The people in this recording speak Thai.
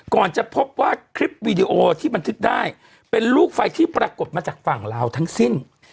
ก่อนจะพบว่าคลิปวีดีโอที่บันทึกได้เป็นลูกไฟที่ปรากฏมาจากฝั่งลาวทั้งสิ้น